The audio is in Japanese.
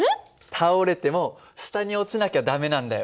倒れても下に落ちなきゃ駄目なんだよ。